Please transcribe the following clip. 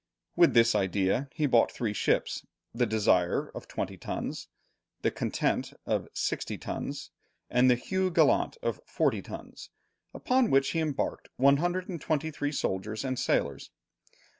With this idea he bought three ships, the Desire, of twenty tons, the Content, of sixty tons, and the Hugh Gallant, of forty tons, upon which he embarked one hundred and twenty three soldiers and sailors.